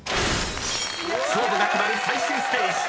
［勝負が決まる最終ステージ］